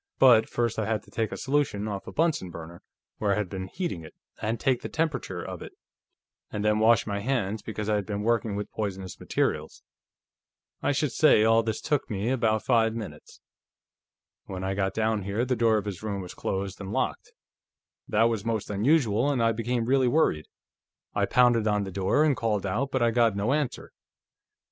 But first I had to take a solution off a Bunsen burner, where I had been heating it, and take the temperature of it, and then wash my hands, because I had been working with poisonous materials. I should say all this took me about five minutes. "When I got down here, the door of this room was closed and locked. That was most unusual, and I became really worried. I pounded on the door, and called out, but I got no answer.